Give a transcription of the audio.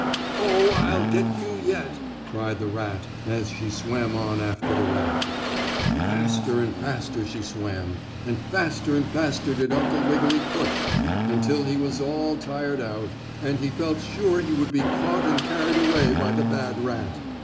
"Oh, I'll get you yet!" cried the rat, as she swam on after the raft. Faster and faster she swam, and faster and faster did Uncle Wiggily push, until he was all tired out, and he felt sure he would be caught and carried away by the bad rat.